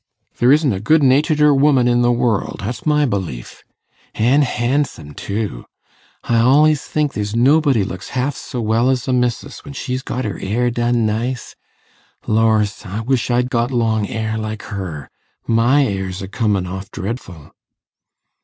There isn't a good natur'der woman i' the world, that's my belief an' hansome too. I al'ys think there's nobody looks half so well as the missis when she's got her 'air done nice. Lors! I wish I'd got long 'air like her my 'air's a comin' off dreadful.